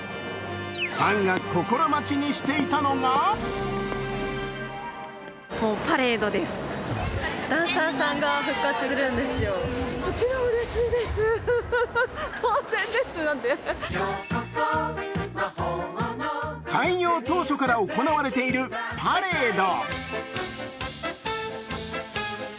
ファンが心待ちにしていたのが開業当初から行われているパレード。